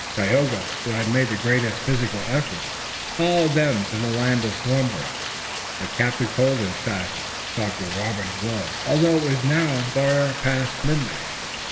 Tayoga who had made the greatest physical effort followed them to the land of slumber, but Captain Colden sat and talked with Robert and Willet, although it was now far past midnight.